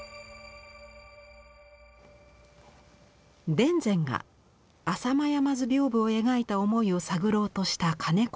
田善が「浅間山図屏風」を描いた思いを探ろうとした金子信久さん。